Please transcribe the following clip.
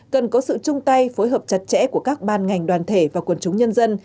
cần có sự chung tay phối hợp chặt chẽ của các ban ngành đoàn thể và quần chúng nhân dân